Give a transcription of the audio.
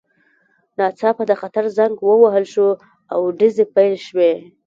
ناڅاپه د خطر زنګ ووهل شو او ډزې پیل شوې